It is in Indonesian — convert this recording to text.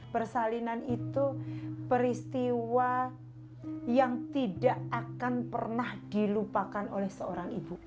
persalinan itu peristiwa yang tidak akan pernah dilupakan oleh seorang ibu